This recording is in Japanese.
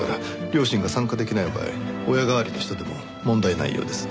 両親が参加できない場合親代わりの人でも問題ないようです。